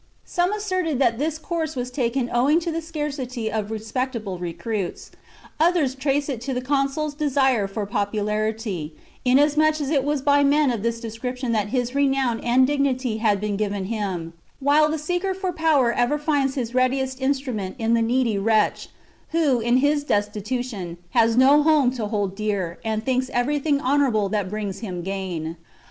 Some asserted that this course was taken owing to the scarcity of respectable recruits, others traced it to the consul's desire for popularity, inasmuch as it was by men of this descrip tion that his renown and dignity had been given him, while the seeker for power ever finds his readiest in strument in the needy wretch, who, in his destitution, has no home to hold dear, and thinks everything honourable that brings him gain.